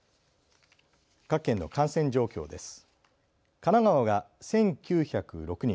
各県の感染状況です。